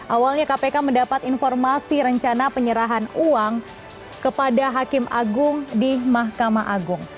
awalnya kpk mendapat informasi rencana penyerahan uang kepada hakim agung di mahkamah agung